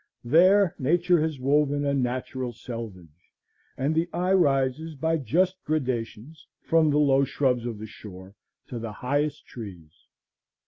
There Nature has woven a natural selvage, and the eye rises by just gradations from the low shrubs of the shore to the highest trees.